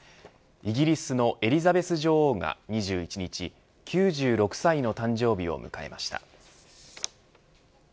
イギリスのエリザベス女王が２１日９６歳の誕生日を迎えました。